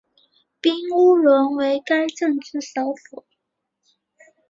彬乌伦为该镇之首府。